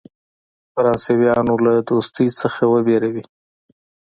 فرانسویانو له دوستی څخه وبېروي.